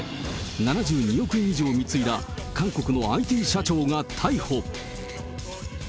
７２億円以上貢いだ韓国のＩＴ社長が逮捕。